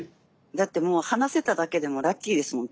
だってもう話せただけでもラッキーですもん。